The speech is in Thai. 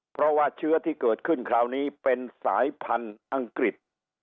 เพราะว่าเชื้อที่เกิดขึ้นคราวนี้เป็นสายพันธุ์อังกฤษ